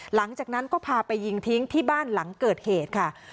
หลังจากนั้นก็พาไปยิงทิ้งที่บ้านหลังเกิดเหตุค่ะ